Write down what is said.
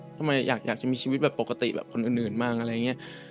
ทำไมอยากจะมีชีวิตแบบปกติแบบคนอื่นบ้างอะไรอย่างนี้